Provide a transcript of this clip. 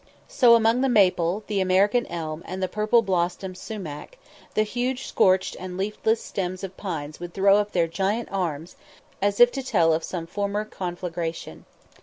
So among the maple, the American elm, and the purple blossomed sumach, the huge scorched and leafless stems of pines would throw up their giant arms as if to tell of some former conflagration.